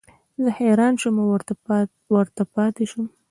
زه حیران شوم او ورته پاتې شوم.